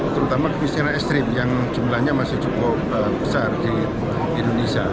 terutama kemiskinan ekstrim yang jumlahnya masih cukup besar di indonesia